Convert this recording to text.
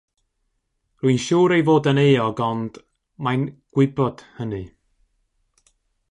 Rwy'n siŵr ei fod yn euog ond… mae'n “gwybod” hynny.